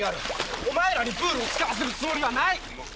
お前らにプールを使わせるつもりはない。